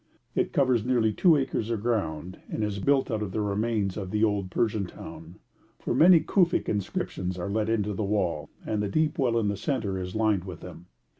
It covers nearly two acres of ground, and is built out of the remains of the old Persian town, for many Kufic inscriptions are let into the wall, and the deep well in the centre is lined with them.